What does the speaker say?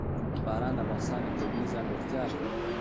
باران د افغانستان یوه طبیعي ځانګړتیا ده.